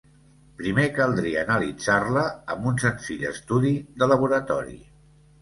Primer caldria analitzar-la amb un senzill estudi de laboratori.